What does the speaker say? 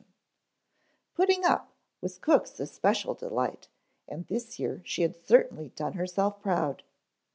"Putting up" was cook's especial delight and this year she had certainly done herself proud.